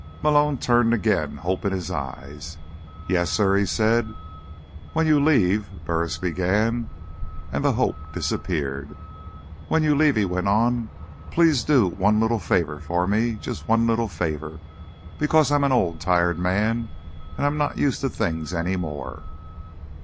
Malone turned again, hope in his eyes. "Yes, sir?" he said. "When you leave—" Burris began, and the hope disappeared. "When you leave," he went on, "please do one little favor for me. Just one little favor, because I'm an old, tired man and I'm not used to things any more."